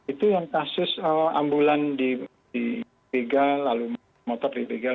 itu yang kasus ambulan dibegal lalu motor dibegal